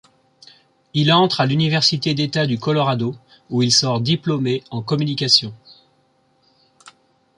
Il entre à l'université d'État du Colorado où il sort diplômé en communication.